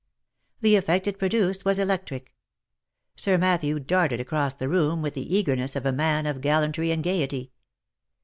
The effect it produced was electric. Sir Matthew darted across the room with the eagerness of a man of gallantry and gaiety.